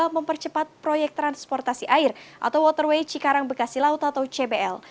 mempercepat proyek transportasi air atau waterway cikarang bekasi laut atau cbl